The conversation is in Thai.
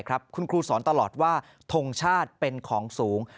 คุณครูสอนตลอดว่าทงชาติเป็นของสูง